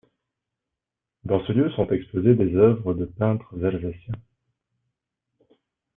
Dans ce lieu sont exposées des œuvres de peintres alsaciens.